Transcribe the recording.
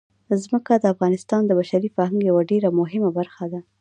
ځمکه د افغانستان د بشري فرهنګ یوه ډېره مهمه برخه ده.